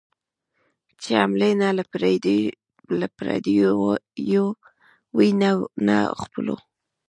چي حملې نه له پردیو وي نه خپلو